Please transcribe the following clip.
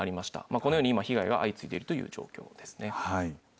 このように今、被害が相次いでいるという状況ですね。